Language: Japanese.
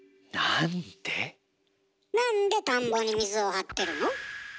なんで田んぼに水を張ってるの？